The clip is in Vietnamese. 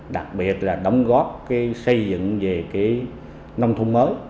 đặc biệt là đóng góp xây dựng về nông thôn mới